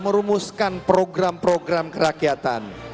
merumuskan program program kerakyatan